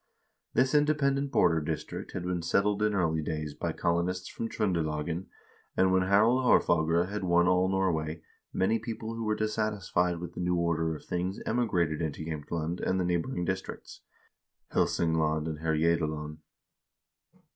This independent border district had been settled in early days by colo nists from Tr0ndelagen, and when Harald Haarfagre had won all Norway, many people who were dissatisfied with the new order of things emigrated into Jaemtland and the neighboring districts, Helsingland and Herjedalen.